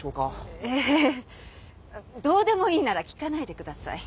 ええどうでもいいなら聞かないで下さい。